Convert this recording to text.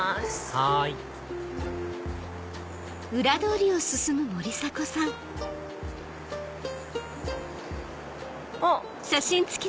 はいあっ。